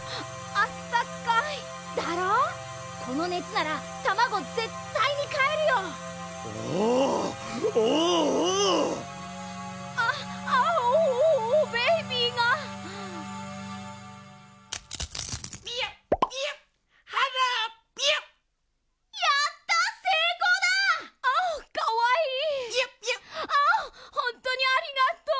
ああっほんとにありがとう。